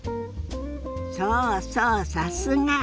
そうそうさすが！